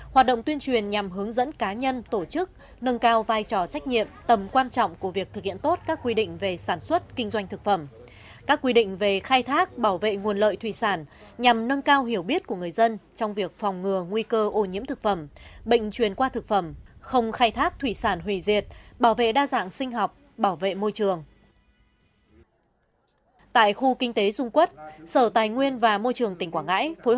hoạt động tuyên truyền nhằm hướng dẫn cá nhân tổ chức nâng cao vai trò trách nhiệm tầm quan trọng của việc thực hiện tốt các quy định về sản xuất kinh doanh thực phẩm các quy định về khai thác bảo vệ nguồn lợi thủy sản nhằm nâng cao hiểu biết của người dân trong việc phòng ngừa nguy cơ ô nhiễm thực phẩm bệnh truyền qua thực phẩm không khai thác thủy sản hủy diệt bảo vệ đa dạng sinh học bảo vệ môi trường